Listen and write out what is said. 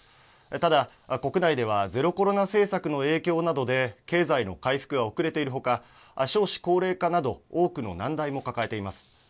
ただ、国内ではゼロコロナ政策の影響などで経済の回復が遅れているほか、少子高齢化など、多くの難題も抱えています。